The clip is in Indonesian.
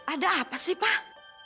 ada apa sih pak